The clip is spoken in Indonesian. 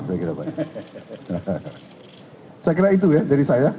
saya kira itu ya dari saya